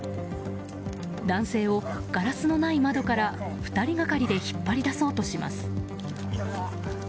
男性をガラスのない窓から２人がかりで引っ張り出そうとします。